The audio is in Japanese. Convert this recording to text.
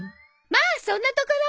まあそんなところ。